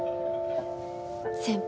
先輩